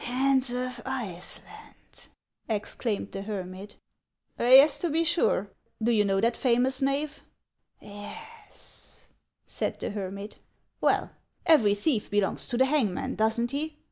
"Hans of Iceland !" exclaimed the hermit. " Yes, to be sure. Do you know that famous knave ?" 11 162 HANS OF ICELAND. " Yes," said the hermit. " Well, every thief belongs to the hangman, does n't he